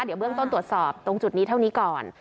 เดี๋ยวเบื้องต้นตรวจสอบตรงจุดนี้เท่านี้ก่อน